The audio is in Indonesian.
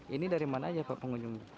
ini dari mana aja pak pengunjung